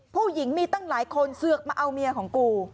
ผู้หญิงมีตั้งหลายคนเสือกมาเอาเมียของกู